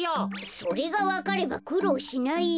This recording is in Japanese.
それがわかればくろうしないよ。